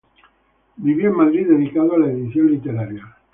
Vivía en Madrid dedicado a la edición literaria.